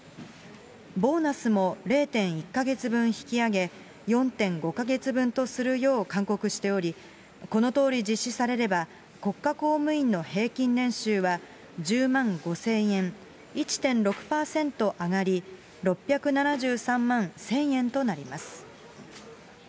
ボーナスも０．１か月分引き上げ、４．５か月分とするよう勧告しており、このとおり実施されれば、国家公務員の平均年収は１０万５０００円、１．６％上がり、６７３万１０００円となります。